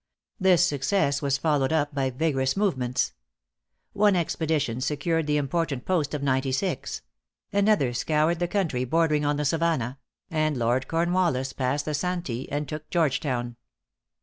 This success was followed up by vigorous movements. One expedition secured the important post of Ninety Six; another scoured the country bordering on the Savannah; and Lord Cornwallis passed the Santee and took Georgetown.